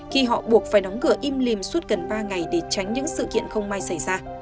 khi họ buộc phải đóng cửa im lìm suốt gần ba ngày để tránh những sự kiện không may xảy ra